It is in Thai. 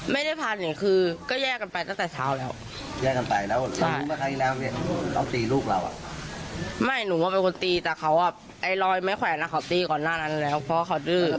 ไม่หนูว่าเป็นคนตีแต่ไอ้รอยแม่แขวนเขาตีก่อนหน้านั้นแล้วเพราะเขาดื้อ